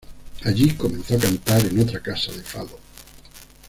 Allí comenzó a cantar en otra casa de fado.